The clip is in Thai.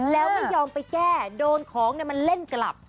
เราไม่ยอมไปแก้โดนของนั้นมันเล่นกลับ